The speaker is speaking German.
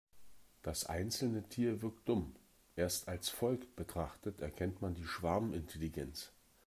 Das einzelne Tier wirkt dumm, erst als Volk betrachtet erkennt man die Schwarmintelligenz.